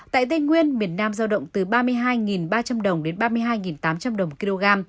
tại tây nguyên miền nam giao động từ ba mươi hai ba trăm linh đồng đến ba mươi hai tám trăm linh đồng một kg